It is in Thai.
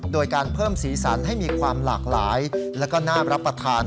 โดยการเพิ่มสีสันให้มีความหลากหลายแล้วก็น่ารับประทาน